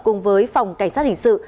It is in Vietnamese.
cùng với phòng cảnh sát hình sự